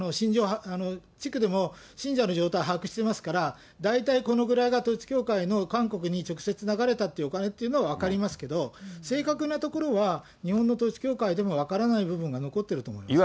地区でも信者の状態、把握してますから、大体このぐらいが統一教会の韓国に直接流れたっていうお金っていうのは分かりますけど、正確なところは日本の統一教会でも分からない部分が残ってると思います。